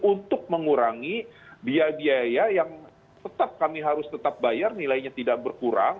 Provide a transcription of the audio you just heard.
untuk mengurangi biaya biaya yang tetap kami harus tetap bayar nilainya tidak berkurang